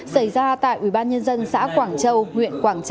xảy ra tại ubnd xã quảng bình